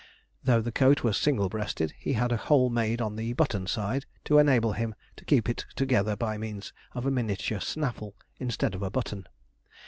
Though the coat was single breasted, he had a hole made on the button side, to enable him to keep it together by means of a miniature snaffle, instead of a button.